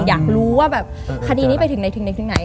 อยากรู้ว่าแบบคดีนี้ไปถึงไหน